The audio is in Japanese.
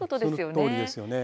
そのとおりですね。